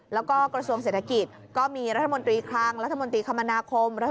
แล้วก็กระทรวงเศรษฐกิจก็มีรัฐมนตรีคลังรัฐมนตรีคมนาคม